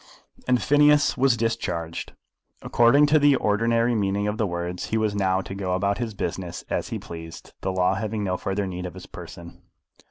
And Phineas was discharged. According to the ordinary meaning of the words he was now to go about his business as he pleased, the law having no further need of his person.